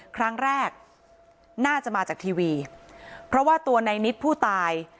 ครั้งแรกน่าจะมาจากทีวีเพราะว่าตัวในนิดผู้ตาย